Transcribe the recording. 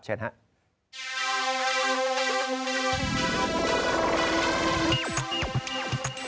เชิญครับ